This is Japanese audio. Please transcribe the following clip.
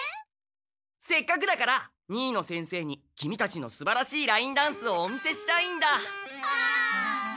せっかくだから新野先生にキミたちのすばらしいラインダンスをお見せしたいんだ。